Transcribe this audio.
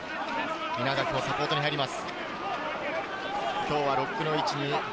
稲垣もサポートに入ります。